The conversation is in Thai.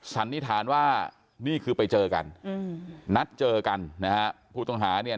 สันนิษฐานว่านี่คือไปเจอกันอืมนัดเจอกันนะฮะผู้ต้องหาเนี่ย